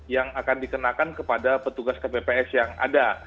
yang akan dikenakan kepada petugas kpps yang ada